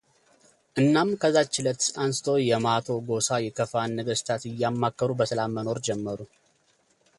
እናም ከዚያች እለት አንስቶ የማቶ ጎሳ የከፋን ነገስታት እያማከሩ በሰላም መኖር ጀመሩ፡፡